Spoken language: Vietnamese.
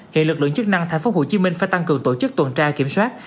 hiện lực lượng chức năng tp hcm phải tăng cường tổ chức tuần tra kiểm soát